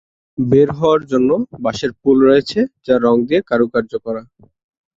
বের হওয়ার জন্য বাঁশের পুল রয়েছে যা রং দিয়ে কারুকার্য করা।